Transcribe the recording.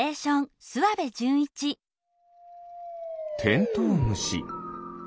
テントウムシ。